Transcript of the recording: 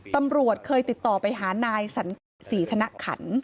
ตำรวจเคยติดต่อไปหานายสันติศรีธนขัน